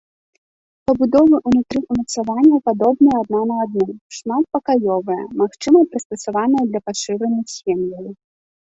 Пабудовы ўнутры ўмацаванняў падобныя адна на адну, шматпакаёвыя, магчыма прыстасаваныя для пашыраных сем'яў.